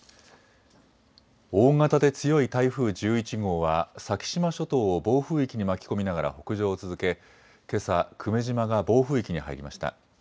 大型で強い台風１１号は先島諸島を暴風域に巻き込みながら北上を続けけさ久米島が暴風域に入りました。